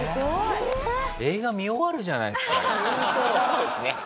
そうですね。